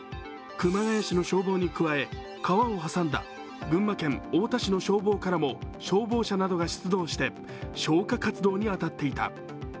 熊谷市の消防に加え、川を挟んだ群馬県太田市の消防からも消防車などが出動して消火活動に当たっていた。